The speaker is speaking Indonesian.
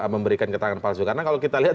memberikan keterangan palsu karena kalau kita lihat